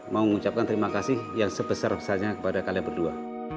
mau mengucapkan terima kasih yang sebesar besarnya kepada kalian berdua